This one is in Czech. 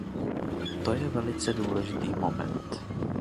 To je velice důležitý moment.